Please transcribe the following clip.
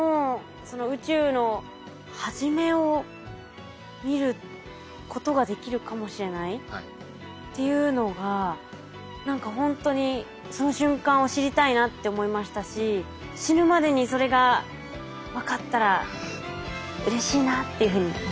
宇宙のはじめを見ることができるかもしれないっていうのが何かほんとにその瞬間を知りたいなって思いましたし死ぬまでにそれが分かったらうれしいなっていうふうに思いました。